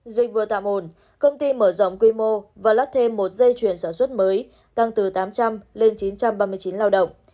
dịch vừa tạm ổn công ty mở rộng quy mô và lắp thêm một dây chuyển sản xuất mới tăng từ tám trăm linh lên chín trăm ba mươi chín lao động